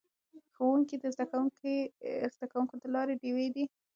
ښوونکي د زده کوونکو د لارې ډیوې دي.